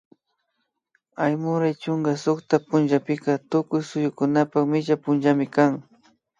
Aymuray chunka sukta punllapika tukuy suyukunapak micha punllami kan